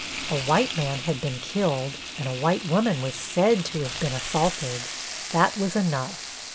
A white man had been killed and a white woman was said to have been assaulted. That was enough.